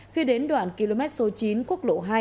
khi đến đoạn km số chín quốc lộ hai